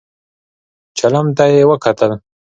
چيلم ته يې وکتل.